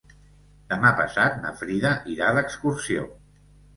Demà passat na Frida irà d'excursió.